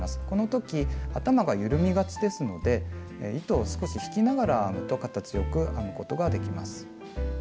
この時頭が緩みがちですので糸を少し引きながら編むと形よく編むことができます。